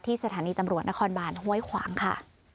สถานีตำรวจนครบานห้วยขวางค่ะ